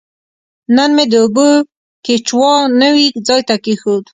نن مې د اوبو کیچوا نوي ځای ته کیښود.